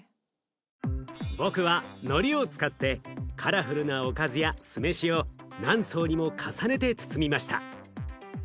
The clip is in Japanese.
僕はのりを使ってカラフルなおかずや酢飯を何層にも重ねて包みました。